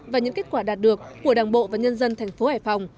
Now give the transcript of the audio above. và những kết quả đạt được của đảng bộ và nhân dân thành phố hải phòng